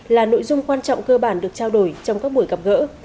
là nội dung quan trọng cơ bản được trao đổi trong các buổi gặp gỡ